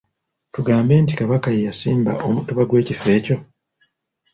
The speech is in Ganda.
Tugambe nti Kabaka ye yasimba omutuba gw'ekifo ekyo.